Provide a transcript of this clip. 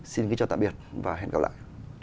xin kính chào tạm biệt và hẹn gặp lại